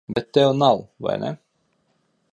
Bet tev nav, vai ne?